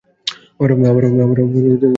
আবারও সেই মমির কেস!